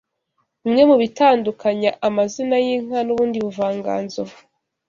Bimwe mu bitandukanya amazina y’inka n’ubundi buvanganzo